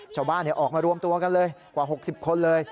ชาวบ้านออกมารวมตัวกันเลยกว่า๖๐คนเลย